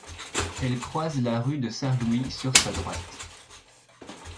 Elle croise la rue de Sarrelouis sur sa droite.